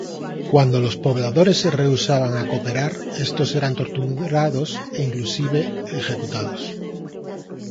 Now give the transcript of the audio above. Cuando los pobladores se rehusaban a cooperar estos eran torturados e inclusive ejecutados.